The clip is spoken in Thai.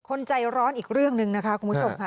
คนใจร้อนอีกเรื่องหนึ่งนะคะคุณผู้ชมค่ะ